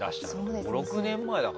５６年前だから。